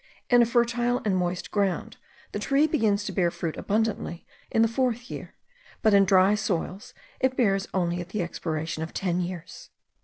In a fertile and moist ground, the tree begins to bear fruit abundantly in the fourth year; but in dry soils it bears only at the expiration of ten years.